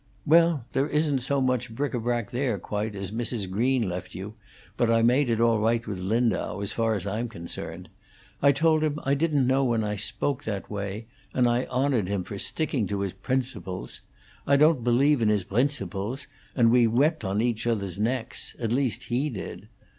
"Well, there isn't so much bric a brac there, quite, as Mrs. Green left you; but I've made it all right with Lindau, as far as I'm concerned. I told him I didn't know when I spoke that way, and I honored him for sticking to his 'brinciples'; I don't believe in his 'brincibles'; and we wept on each other's necks at least, he did.